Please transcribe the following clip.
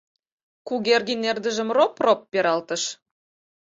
— Кугергин эрдыжым роп-роп пералтыш.